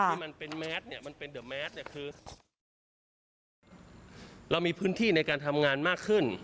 เรามีพื้นที่ในการทำงานมากขึ้น